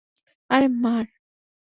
আরে, মার!